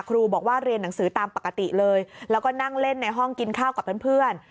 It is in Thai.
ครูบอกว่าเรียนหนังสือตามปกติเลยแล้วก็นั่งเล่นในห้องกินข้าวกับเพื่อน